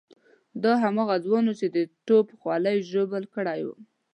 دی هماغه ځوان وو چې د توپ خولۍ ژوبل کړی وو.